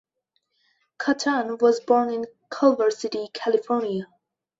Kattan was born in Culver City, California.